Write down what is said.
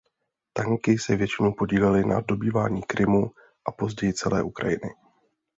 Tanky se většinou podílely na dobývání Krymu a později celé Ukrajiny.